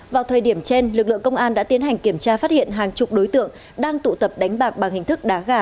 vào thời điểm trên lực lượng công an đã tiến hành kiểm tra phát hiện hàng chục đối tượng đang tụ tập đánh bạc bằng hình thức đá gà